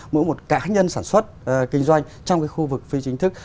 mỗi một cá nhân sản xuất kinh doanh trong cái khu vực phi chính thức